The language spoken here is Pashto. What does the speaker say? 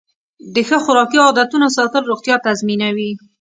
د ښه خوراکي عادتونو ساتل روغتیا تضمینوي.